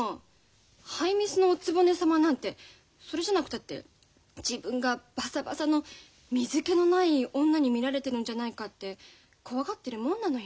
ハイミスのおつぼね様なんてそれじゃなくたって自分がバサバサの水けのない女に見られてるんじゃないかって怖がってるもんなのよ。